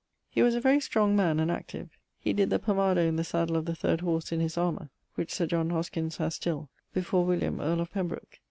He was a very strong man and active. He did the pomado in the saddle of the third horse in his armour (which Sir John Hoskins haz still) before William, earle of Pembroke.